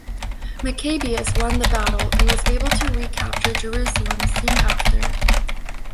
Maccabeus won the battle, and was able to recapture Jerusalem soon after.